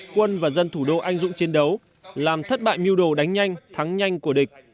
quân và dân thủ đô anh dũng chiến đấu làm thất bại mưu đồ đánh nhanh thắng nhanh của địch